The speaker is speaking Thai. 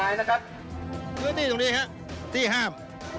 อยู่ที่ตรงนี้ครับที่ห้าม